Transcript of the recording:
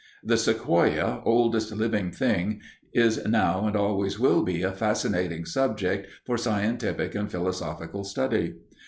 The sequoia, oldest living thing, is now and always will be a fascinating subject for scientific and philosophical study.